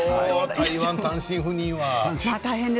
台湾で単身赴任は。